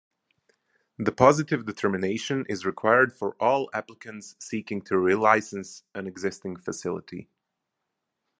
The positive determination is required for all applicants seeking to relicense an existing facility.